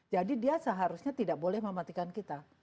jadi dia seharusnya tidak boleh mematikan kita